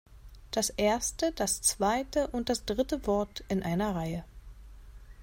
Das erste, das zweite und das dritte Wort in einer Reihe.